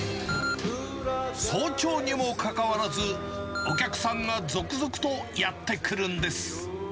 早朝にもかかわらず、お客さんが続々とやって来るんです。